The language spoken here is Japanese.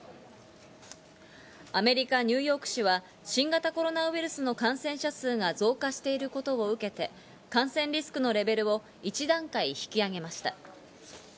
アメリカ・ニューヨーク州は新型コロナウイルスの感染者数が増加していることを受けて、感染リスクのレベルを１段階、引き上げました。